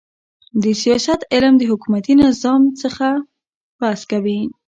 د سیاست علم د حکومتي نظامو څخه بحث کوي.